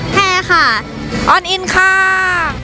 แพร่ค่ะออนอินค่ะ